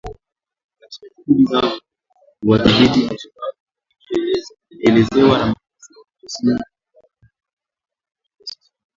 katika juhudi zao za kuwadhibiti al-Shabaab ilielezewa na maafisa wa jeshi la Marekani na kijasusi